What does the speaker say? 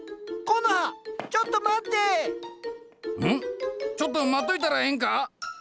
ちょっと待っといたらええんか？